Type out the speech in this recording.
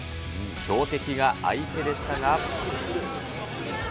強敵が相手でしたが。